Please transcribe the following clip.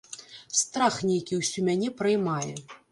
Страх нейкі ўсю мяне праймае.